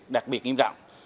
đặc biệt nghiêm trọng